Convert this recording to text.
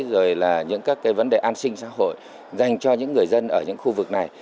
rồi là những các cái vấn đề an sinh xã hội dành cho những người dân ở những khu vực này